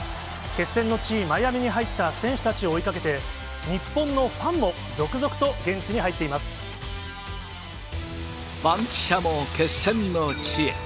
決戦の地、マイアミに入った選手たちを追いかけて、日本のファンも続々と現バンキシャも決戦の地へ。